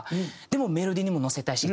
でもメロディーにものせたいし。